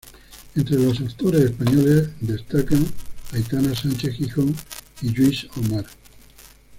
Entre los actores españoles destacar a Aitana Sánchez Gijón y Lluis Homar.